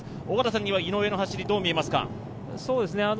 尾方さんには井上の走りどう見えますか。